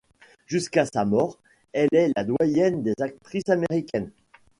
Jusqu'à sa mort, elle est la doyenne des actrices américaines.